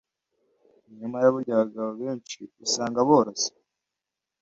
Nyamara burya abagabo benshi usanga boroshye